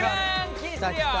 きたきた。